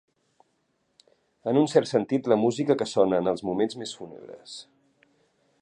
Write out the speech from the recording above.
En un cert sentit, la música que sona en els moments més fúnebres.